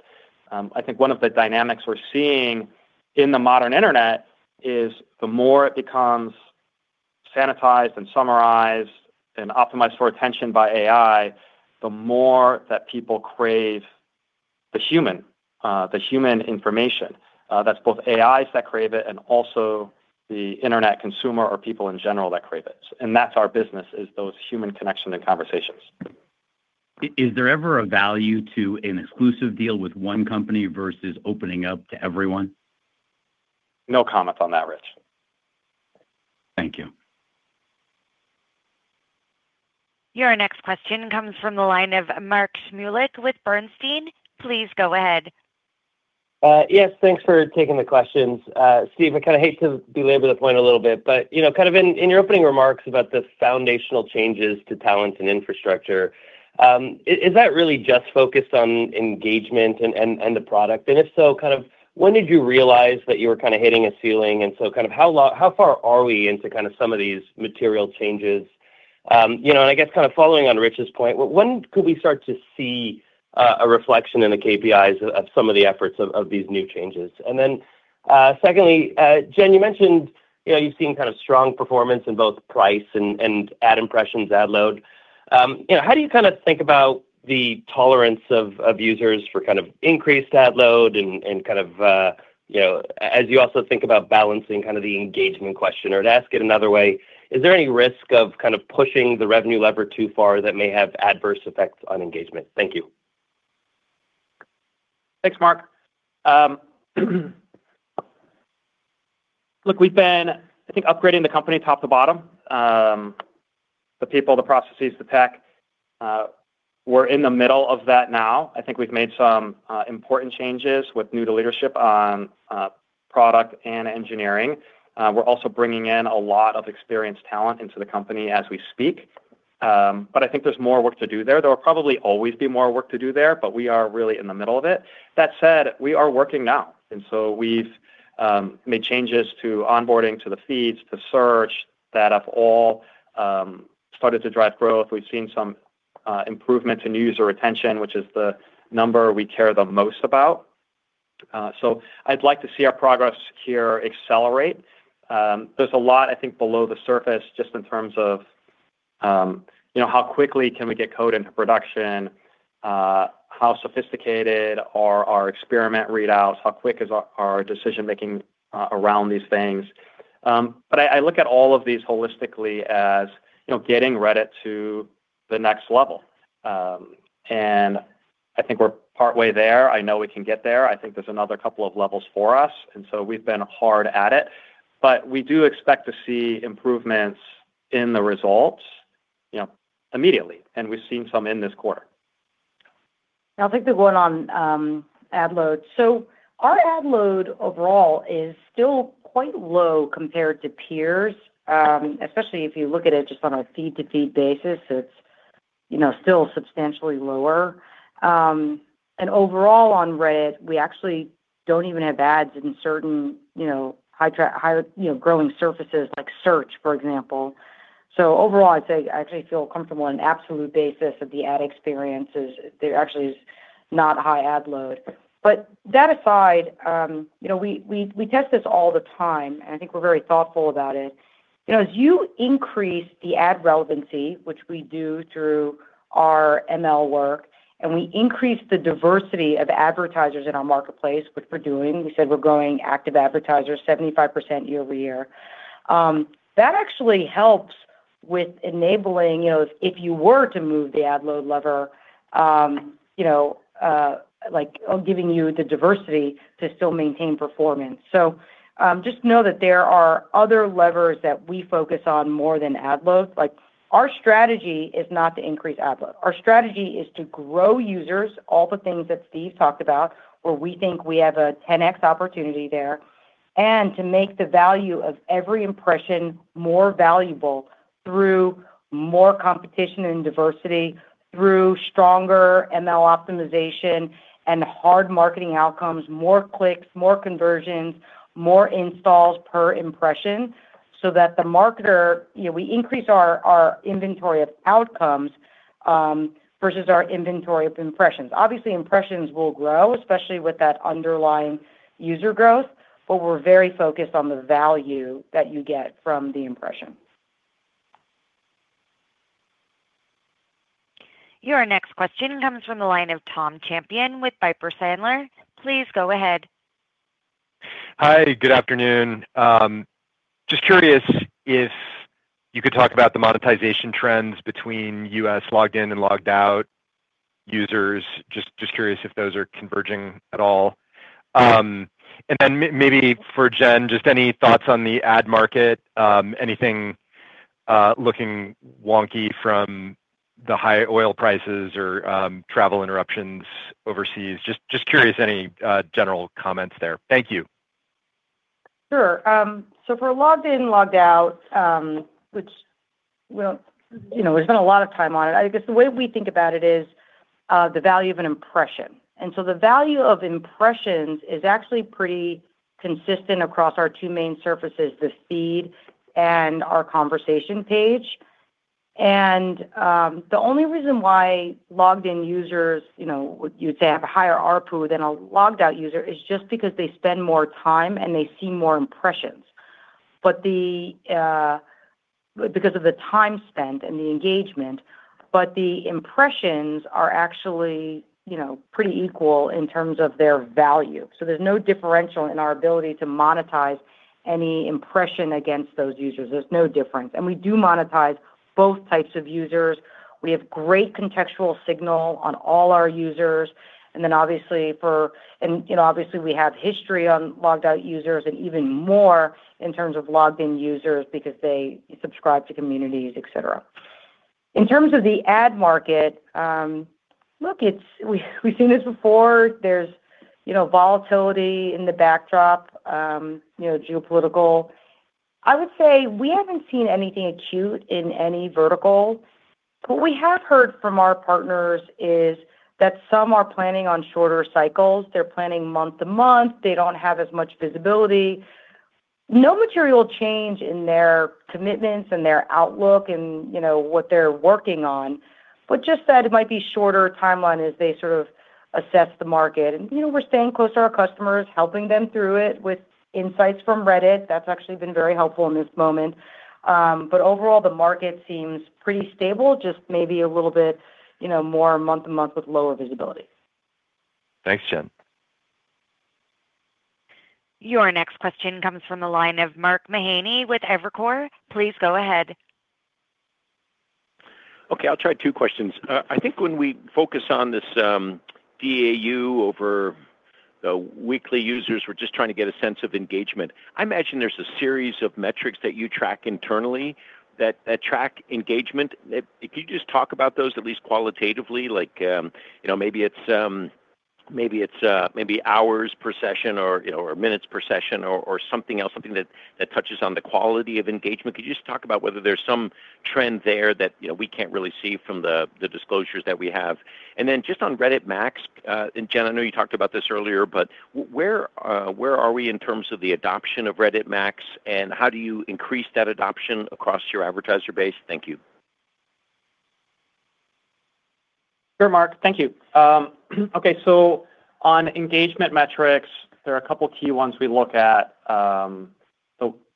[SPEAKER 3] I think one of the dynamics we're seeing in the modern internet is the more it becomes sanitized and summarized and optimized for attention by AI, the more that people crave the human, the human information. That's both AIs that crave it and also the internet consumer or people in general that crave it. That's our business is those human connection and conversations.
[SPEAKER 10] Is there ever a value to an exclusive deal with one company versus opening up to everyone?
[SPEAKER 3] No comment on that, Rich.
[SPEAKER 10] Thank you.
[SPEAKER 1] Your next question comes from the line of Mark Shmulik with Bernstein. Please go ahead.
[SPEAKER 11] Yes. Thanks for taking the questions. Steve, I kind of hate to belabor the point a little bit, but, you know, kind of in your opening remarks about the foundational changes to talent and infrastructure, is that really just focused on engagement and the product? If so, kind of when did you realize that you were kind of hitting a ceiling? Kind of how far are we into kind of some of these material changes? You know, I guess kind of following on Rich's point, when could we start to see a reflection in the KPIs of some of the efforts of these new changes? Secondly, Jen, you mentioned, you know, you've seen kind of strong performance in both price and ad impressions, ad load. You know, how do you kind of think about the tolerance of users for kind of increased ad load and kind of, you know, as you also think about balancing kind of the engagement question? Or to ask it another way, is there any risk of kind of pushing the revenue lever too far that may have adverse effects on engagement? Thank you.
[SPEAKER 3] Thanks, Mark. Look, we've been, I think, upgrading the company top to bottom, the people, the processes, the tech. We're in the middle of that now. I think we've made some important changes with new to leadership on product and engineering. We're also bringing in a lot of experienced talent into the company as we speak. I think there's more work to do there. There will probably always be more work to do there. We are really in the middle of it. That said, we are working now. We've made changes to onboarding, to the feeds, to search that have all started to drive growth. We've seen some Improvement in user retention, which is the number we care the most about. I'd like to see our progress here accelerate. There's a lot I think below the surface just in terms of, you know, how quickly can we get code into production, how sophisticated are our experiment readouts, how quick is our decision-making around these things. I look at all of these holistically as, you know, getting Reddit to the next level. I think we're partway there. I know we can get there. I think there's another couple of levels for us. We've been hard at it. We do expect to see improvements in the results, you know, immediately, and we've seen some in this quarter.
[SPEAKER 4] I think the one on ad loads. Our ad load overall is still quite low compared to peers. Especially if you look at it just on a feed-to-feed basis, it's, you know, still substantially lower. Overall on Reddit, we actually don't even have ads in certain, you know, high, you know, growing surfaces like search, for example. Overall, I'd say I actually feel comfortable on an absolute basis that the ad experience is, there actually is not high ad load. That aside, you know, we test this all the time, and I think we're very thoughtful about it. You know, as you increase the ad relevancy, which we do through our ML work, and we increase the diversity of advertisers in our marketplace, which we're doing, we said we're growing active advertisers 75% year-over-year, that actually helps with enabling, you know, if you were to move the ad load lever, you know, like giving you the diversity to still maintain performance. Just know that there are other levers that we focus on more than ad loads. Our strategy is not to increase ad load. Our strategy is to grow users, all the things that Steve talked about, where we think we have a 10x opportunity there, and to make the value of every impression more valuable through more competition and diversity, through stronger ML optimization and hard marketing outcomes, more clicks, more conversions, more installs per impression, so that the marketer, you know, we increase our inventory of outcomes, versus our inventory of impressions. Obviously, impressions will grow, especially with that underlying user growth, but we're very focused on the value that you get from the impression.
[SPEAKER 1] Your next question comes from the line of Thomas Champion with Piper Sandler. Please go ahead.
[SPEAKER 12] Hi, good afternoon. Just curious if you could talk about the monetization trends between U.S. logged in and logged out users. Just curious if those are converging at all. Then for Jen, just any thoughts on the ad market, anything looking wonky from the high oil prices or travel interruptions overseas? Just curious, any general comments there. Thank you.
[SPEAKER 4] Sure. For logged in, logged out, which we don't, you know, we spend a lot of time on it. I guess the way we think about it is the value of an impression. The value of impressions is actually pretty consistent across our two main surfaces, the feed and our conversation page. The only reason why logged-in users, you know, you'd say have a higher ARPU than a logged-out user is just because they spend more time, and they see more impressions, because of the time spent and the engagement. The impressions are actually, you know, pretty equal in terms of their value. There's no differential in our ability to monetize any impression against those users. There's no difference. We do monetize both types of users. We have great contextual signal on all our users. Obviously, you know, obviously we have history on logged out users and even more in terms of logged in users because they subscribe to communities, et cetera. In terms of the ad market, look, we've seen this before. There's, you know, volatility in the backdrop, you know, geopolitical. I would say we haven't seen anything acute in any vertical. What we have heard from our partners is that some are planning on shorter cycles. They're planning month to month. They don't have as much visibility. No material change in their commitments and their outlook and, you know, what they're working on. Just that it might be shorter timeline as they sort of assess the market. You know, we're staying close to our customers, helping them through it with insights from Reddit. That's actually been very helpful in this moment. Overall, the market seems pretty stable, just maybe a little bit, you know, more month-to-month with lower visibility.
[SPEAKER 12] Thanks, Jen.
[SPEAKER 1] Your next question comes from the line of Mark Mahaney with Evercore. Please go ahead.
[SPEAKER 13] Okay, I'll try two questions. I think when we focus on this DAU over the weekly users, we're just trying to get a sense of engagement. I imagine there's a series of metrics that you track internally that track engagement. If you could just talk about those at least qualitatively, like, you know, maybe it's maybe hours per session or, you know, or minutes per session or something else, something that touches on the quality of engagement. Could you just talk about whether there's some trend there that, you know, we can't really see from the disclosures that we have? Just on Reddit Max, and Jen, I know you talked about this earlier, but where are we in terms of the adoption of Reddit Max, and how do you increase that adoption across your advertiser base? Thank you.
[SPEAKER 3] Sure, Mark. Thank you. Okay, on engagement metrics, there are a couple key ones we look at.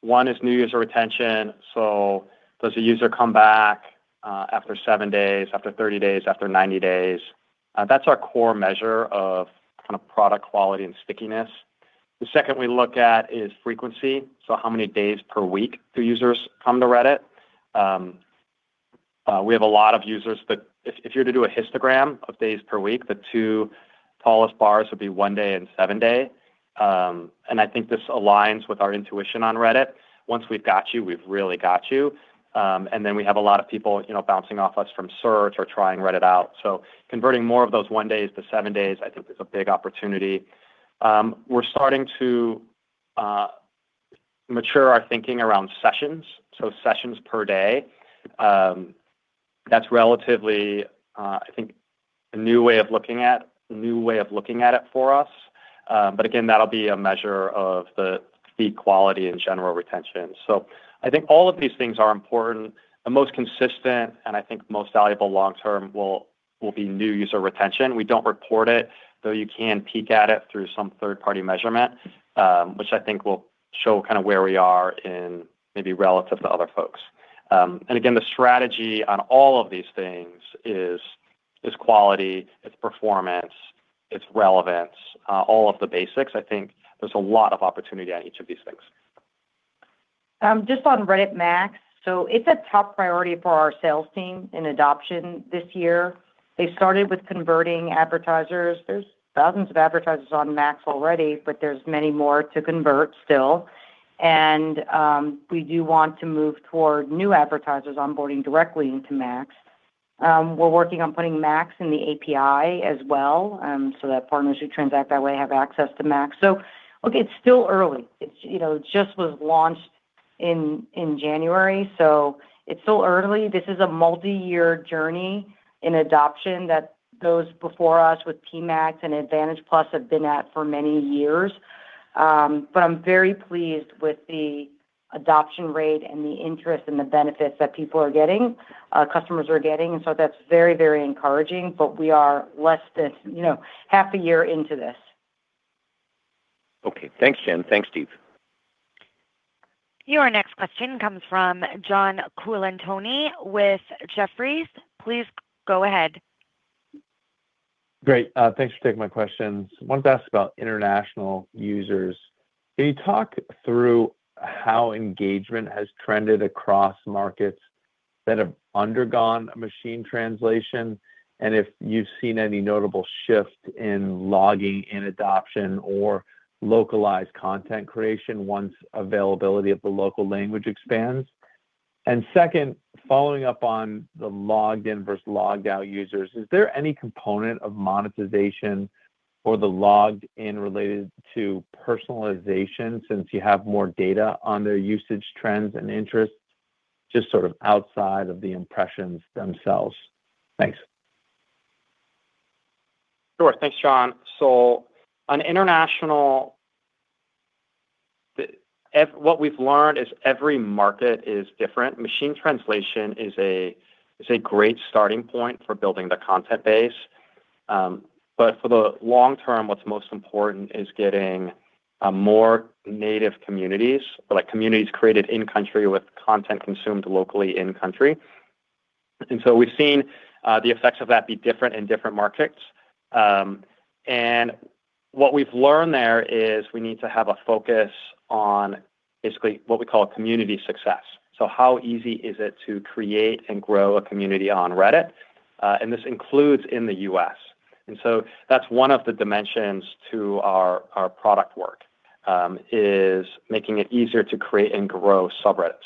[SPEAKER 3] One is new user retention. Does the user come back after seven days, after 30 days, after 90 days? That's our core measure of kind of product quality and stickiness. The second we look at is frequency, so how many days per week do users come to Reddit? We have a lot of users, but if you were to do a histogram of days per week, the two tallest bars would be one day and seven day. I think this aligns with our intuition on Reddit. Once we've got you, we've really got you. Then we have a lot of people, you know, bouncing off us from search or trying Reddit out. Converting more of those ione days to seven days I think is a big opportunity. We're starting to mature our thinking around sessions, so sessions per day. That's relatively I think a new way of looking at it for us. Again, that'll be a measure of the feed quality and general retention. I think all of these things are important. The most consistent and I think most valuable long-term will be new user retention. We don't report it, though you can peek at it through some third-party measurement, which I think will show kind of where we are in maybe relative to other folks. Again, the strategy on all of these things is quality, it's performance, it's relevance, all of the basics. I think there's a lot of opportunity on each of these things.
[SPEAKER 4] Just on Reddit Max, so it's a top priority for our sales team in adoption this year. They started with converting advertisers. There's thousands of advertisers on Max already, but there's many more to convert still, and we do want to move toward new advertisers onboarding directly into Max. We're working on putting Max in the API as well, so that partners who transact that way have access to Max. Look, it's still early. It's, you know, just was launched in January, so it's still early. This is a multi-year journey in adoption that those before us with PMax and Advantage+ have been at for many years. I'm very pleased with the adoption rate and the interest and the benefits that people are getting, customers are getting. That's very, very encouraging, but we are less than, you know, half a year into this.
[SPEAKER 13] Okay. Thanks, Jen. Thanks, Steve.
[SPEAKER 1] Your next question comes from John Colantuoni with Jefferies. Please go ahead.
[SPEAKER 14] Great. Thanks for taking my questions. Wanted to ask about international users. Can you talk through how engagement has trended across markets that have undergone a machine translation, and if you've seen any notable shift in logging in adoption or localized content creation once availability of the local language expands? Second, following up on the logged in versus logged out users, is there any component of monetization for the logged in related to personalization since you have more data on their usage trends and interests, just sort of outside of the impressions themselves? Thanks.
[SPEAKER 3] Sure. Thanks, John. On international, what we've learned is every market is different. Machine translation is a great starting point for building the content base. For the long term, what's most important is getting more native communities, like communities created in country with content consumed locally in country. We've seen the effects of that be different in different markets. What we've learned there is we need to have a focus on basically what we call community success. How easy is it to create and grow a community on Reddit? This includes in the U.S. That's one of the dimensions to our product work, is making it easier to create and grow subreddits.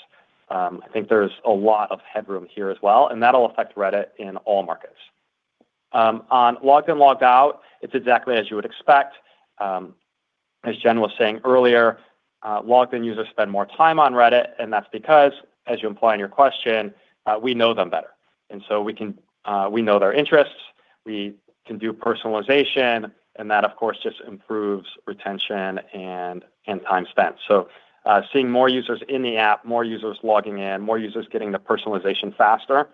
[SPEAKER 3] I think there's a lot of headroom here as well, that'll affect Reddit in all markets. On logged in, logged out, it's exactly as you would expect. As Jen was saying earlier, logged in users spend more time on Reddit, and that's because, as you imply in your question, we know them better. We know their interests, we can do personalization, and that of course just improves retention and time spent. Seeing more users in the app, more users logging in, more users getting the personalization faster,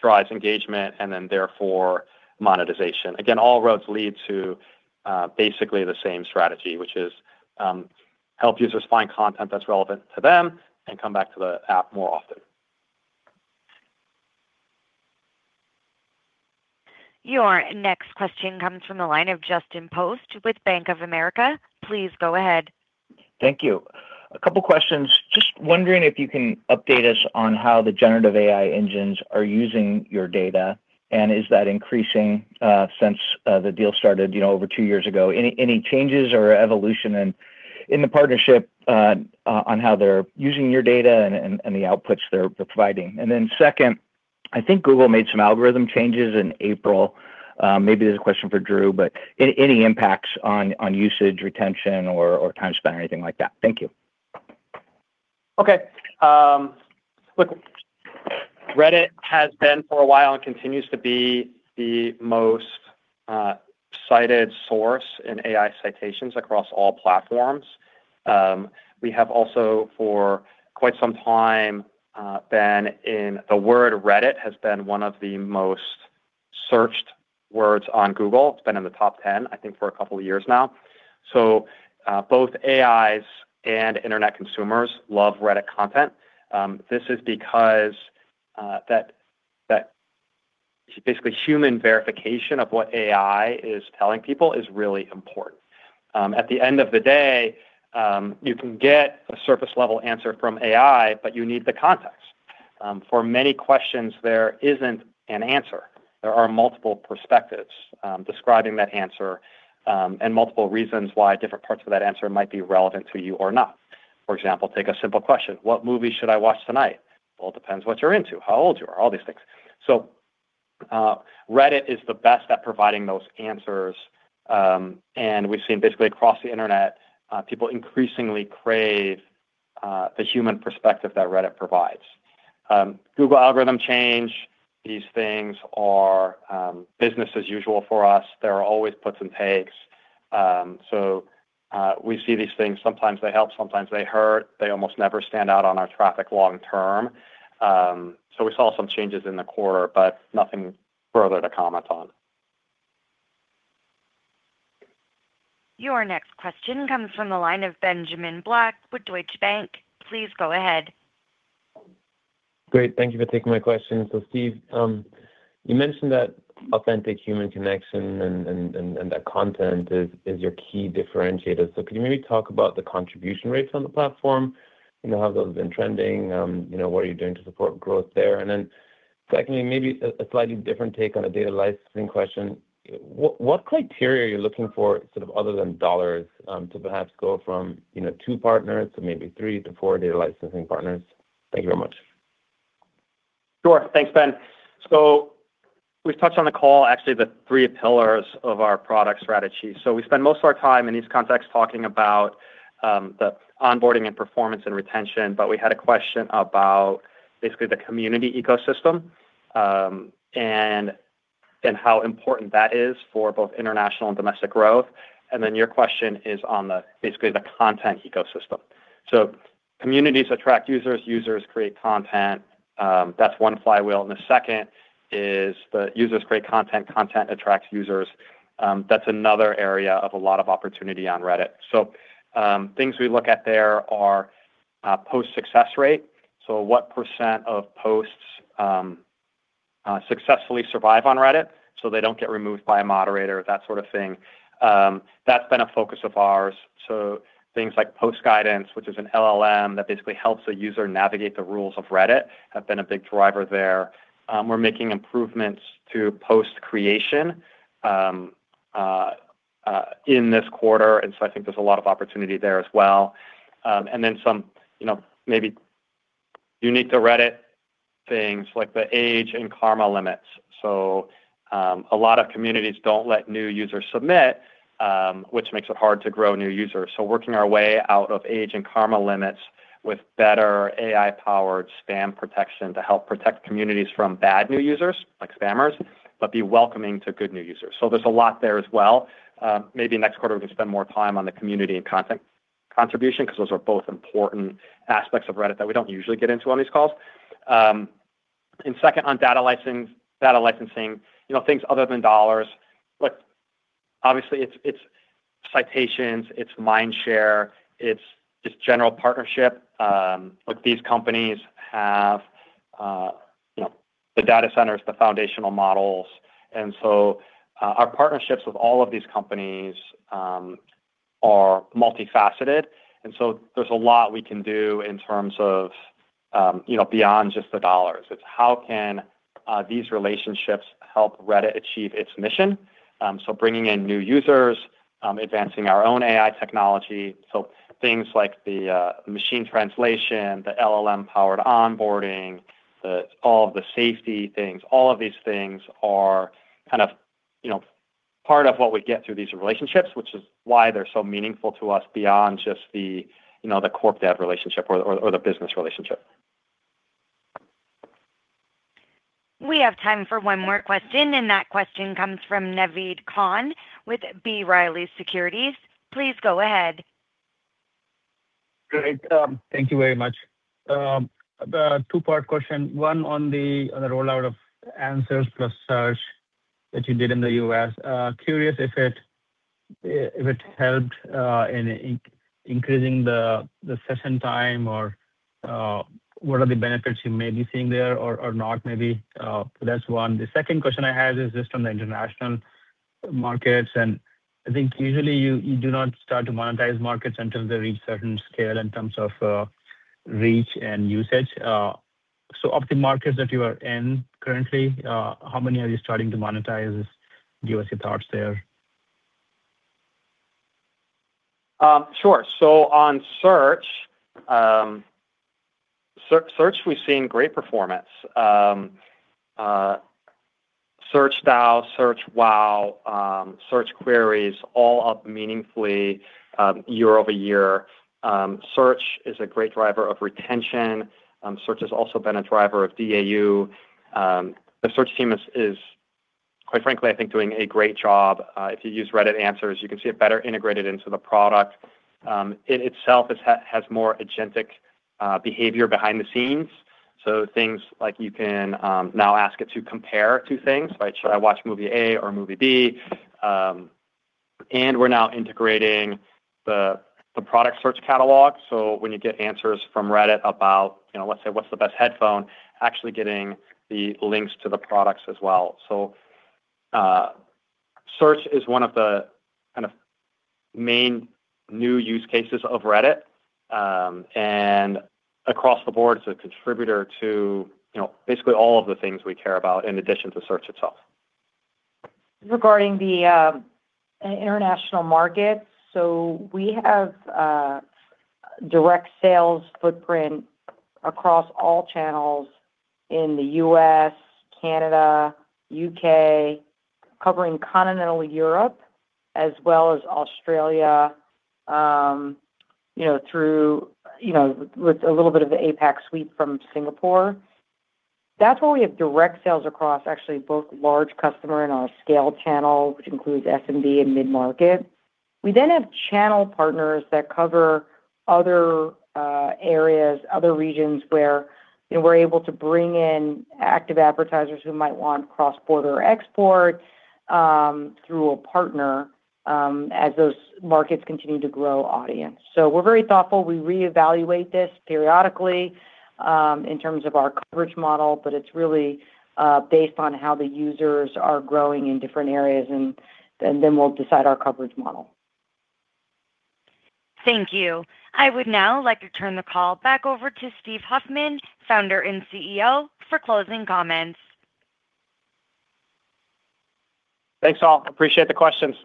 [SPEAKER 3] drives engagement therefore monetization. Again, all roads lead to basically the same strategy, which is help users find content that's relevant to them and come back to the app more often.
[SPEAKER 1] Your next question comes from the line of Justin Post with Bank of America. Please go ahead.
[SPEAKER 15] Thank you. A couple questions. Just wondering if you can update us on how the generative AI engines are using your data, and is that increasing since the deal started, you know, over 2 years ago? Any changes or evolution in the partnership on how they're using your data and the outputs they're providing? Second, I think Google made some algorithm changes in April. Maybe this is a question for Drew, but any impacts on usage, retention or time spent or anything like that? Thank you.
[SPEAKER 3] Reddit has been for a while and continues to be the most cited source in AI citations across all platforms. We have also for quite some time. The word Reddit has been one of the most searched words on Google. It's been in the top 10, I think, for a couple of years now. Both AIs and internet consumers love Reddit content. This is because basically human verification of what AI is telling people is really important. At the end of the day, you can get a surface level answer from AI, but you need the context. For many questions, there isn't an answer. There are multiple perspectives describing that answer, and multiple reasons why different parts of that answer might be relevant to you or not. For example, take a simple question: What movie should I watch tonight? Well, it depends what you're into, how old you are, all these things. Reddit is the best at providing those answers. We've seen basically across the internet, people increasingly crave, the human perspective that Reddit provides. Google algorithm change, these things are, business as usual for us. There are always puts and takes. We see these things. Sometimes they help, sometimes they hurt. They almost never stand out on our traffic long term. We saw some changes in the quarter, but nothing further to comment on.
[SPEAKER 1] Your next question comes from the line of Benjamin Black with Deutsche Bank. Please go ahead.
[SPEAKER 16] Great. Thank you for taking my question. Steve, you mentioned that authentic human connection and that content is your key differentiator. Can you maybe talk about the contribution rates on the platform, you know, how those have been trending? You know, what are you doing to support growth there? Secondly, maybe a slightly different take on a data licensing question. What criteria are you looking for sort of other than dollars, to perhaps go from, you know, two partners to maybe three to four data licensing partners? Thank you very much.
[SPEAKER 3] Sure. Thanks, Ben. We've touched on the call, the three pillars of our product strategy. We spend most of our time in these contexts talking about the onboarding and performance and retention, but we had a question about the community ecosystem, and how important that is for both international and domestic growth. Your question is on the content ecosystem. Communities attract users create content. That's one flywheel. The second is the users create content attracts users. That's another area of a lot of opportunity on Reddit. Things we look at there are post success rate. What percent of posts successfully survive on Reddit, so they don't get removed by a moderator, that sort of thing. That's been a focus of ours. Things like post guidance, which is an LLM that basically helps a user navigate the rules of Reddit, have been a big driver there. We're making improvements to post creation in this quarter, I think there's a lot of opportunity there as well. Some, you know, maybe unique to Reddit things like the age and karma limits. A lot of communities don't let new users submit, which makes it hard to grow new users. Working our way out of age and karma limits with better AI-powered spam protection to help protect communities from bad new users like spammers, but be welcoming to good new users. There's a lot there as well. Maybe next quarter we can spend more time on the community and content contribution because those are both important aspects of Reddit that we don't usually get into on these calls. Second, on data licensing, you know, things other than dollars. Look, obviously it's citations, it's mind share, it's just general partnership. Look, these companies have, you know, the data centers, the foundational models. Our partnerships with all of these companies are multifaceted. There's a lot we can do in terms of, you know, beyond just the dollars. It's how can these relationships help Reddit achieve its mission? Bringing in new users, advancing our own AI technology. Things like the machine translation, the LLM-powered onboarding, all of the safety things, all of these things are kind of, you know, part of what we get through these relationships, which is why they're so meaningful to us beyond just the, you know, the corp dev relationship or the business relationship.
[SPEAKER 1] We have time for one more question, and that question comes from Naved Khan with B. Riley Securities. Please go ahead.
[SPEAKER 17] Great. Thank you very much. A two-part question. One on the, on the rollout of Reddit Answers that you did in the U.S. Curious if it, if it helped, in increasing the session time or what are the benefits you may be seeing there, or not, maybe. That's one. The second question I had is just on the international markets. I think usually you do not start to monetize markets until they reach certain scale in terms of reach and usage. Of the markets that you are in currently, how many are you starting to monetize? Just give us your thoughts there.
[SPEAKER 3] Sure. On search, we've seen great performance. Search now, search wow, search queries all up meaningfully year-over-year. Search is a great driver of retention. Search has also been a driver of DAU. The search team is, quite frankly, I think doing a great job. If you use Reddit Answers, you can see it better integrated into the product. It itself has more agentic behavior behind the scenes. Things like you can now ask it to compare two things, right? Should I watch movie A or movie B? We're now integrating the product search catalog. When you get answers from Reddit about, you know, let's say, what's the best headphone, actually getting the links to the products as well. Search is one of the kind of main new use cases of Reddit, and across the board is a contributor to, you know, basically all of the things we care about in addition to search itself.
[SPEAKER 4] Regarding the international markets, we have a direct sales footprint across all channels in the U.S., Canada, U.K., covering continental Europe as well as Australia, you know, through, you know, with a little bit of the APAC suite from Singapore. That's where we have direct sales across actually both large customer and our scale channel, which includes SMB and mid-market. We have channel partners that cover other areas, other regions where, you know, we're able to bring in active advertisers who might want cross-border export through a partner as those markets continue to grow audience. We're very thoughtful. We reevaluate this periodically in terms of our coverage model, but it's really based on how the users are growing in different areas and then we'll decide our coverage model.
[SPEAKER 1] Thank you. I would now like to turn the call back over to Steve Huffman, Founder and CEO, for closing comments.
[SPEAKER 3] Thanks, all. Appreciate the questions.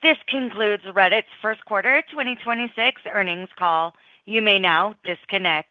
[SPEAKER 1] This concludes Reddit's first quarter 2026 earnings call. You may now disconnect.